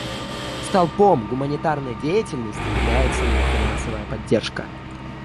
Столпом гуманитарной деятельности является ее финансовая поддержка.